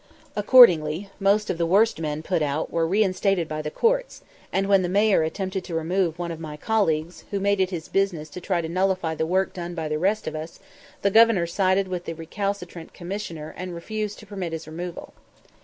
Accordingly, most of the worst men put out were reinstated by the courts; and when the Mayor attempted to remove one of my colleagues who made it his business to try to nullify the work done by the rest of us, the Governor sided with the recalcitrant Commissioner and refused to permit his removal.